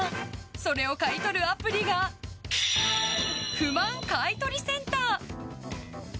それを買い取るアプリが不満買取センター。